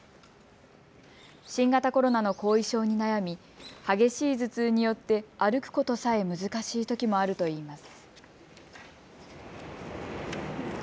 新型コロナの後遺症に悩み激しい頭痛によって歩くことさえ難しいときもあるといいます。